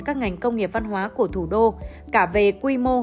các ngành công nghiệp văn hóa của thủ đô cả về quy mô